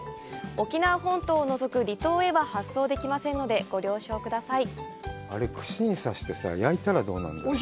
沖縄本島を除く離島へは発送できませんのでご了承ください。